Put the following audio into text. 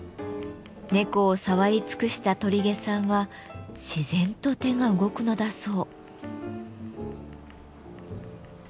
猫を触り尽くした鳥毛さんは自然と手が動くのだそう。